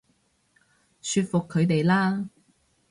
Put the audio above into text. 說服佢哋啦